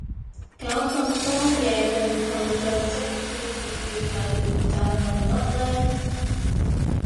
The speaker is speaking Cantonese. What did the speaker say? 搞咁多嘢令佢象徵意義越嚟越大為乜呢